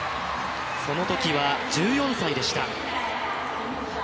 そのときは１４歳でした。